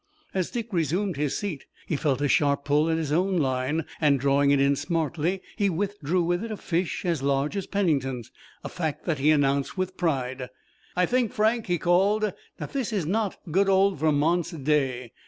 As Dick resumed his seat he felt a sharp pull at his own line, and drawing it in smartly he drew with it a fish as large as Pennington's, a fact that he announced with pride. "I think, Frank," he called, "that this is not good old Vermont's day.